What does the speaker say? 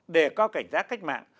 để cao cảnh giá cách mạng